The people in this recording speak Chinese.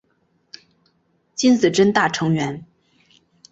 金子真大成员。